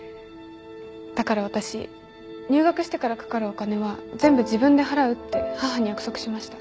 だから私入学してからかかるお金は全部自分で払うって母に約束しました。